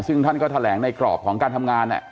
ซึ่งท่านก็แถลงในกรอบของการทำงาน